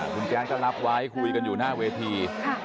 คุณแก๊งก็รับไว้คุยกันอยู่หน้าเวที